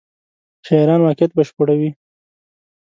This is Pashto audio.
شاعران واقعیت بشپړوي.